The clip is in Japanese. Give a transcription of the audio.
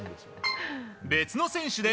別の選手で、